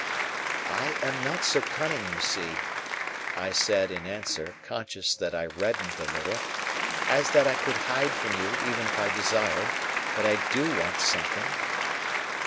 "I am not so cunning, you see," I said, in answer, conscious that I reddened a little, "as that I could hide from you, even if I desired, that I do want something.